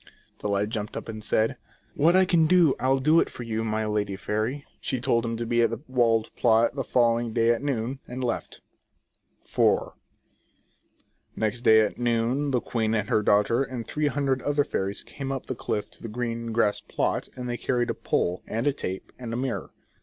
The lad jumped up and said :" What I can do I'll do it for you, my lady fairy." She told him to be at the walled plot the follow ing day at noon, and left. IV. The next day at noon, the queen and her daughter and three hundred other fairies came up the cliff to the green grass plot, and they carried a pole, and a tape, and a mirror.